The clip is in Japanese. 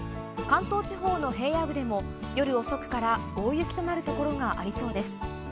関東地方の平野部でも、夜遅くから大雪となる所がありそうです。